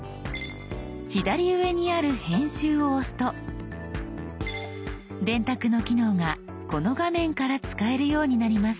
左上にある「編集」を押すと「電卓」の機能がこの画面から使えるようになります。